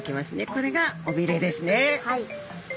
これがおびれですね。